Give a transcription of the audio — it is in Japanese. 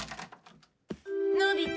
のび太。